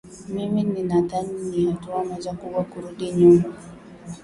Mimi ninadhani ni hatua moja kubwa kurudi nyuma